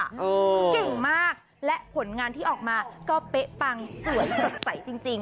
คือเก่งมากและผลงานที่ออกมาก็เป๊ะปังสวยสดใสจริง